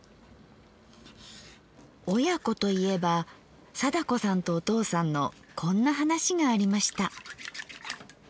親子といえば貞子さんとお父さんのこんな話がありました。